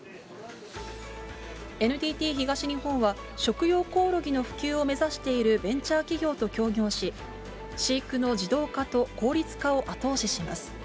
ＮＴＴ東日本は、食用コオロギの普及を目指しているベンチャー企業と協業し、飼育の自動化と効率化を後押しします。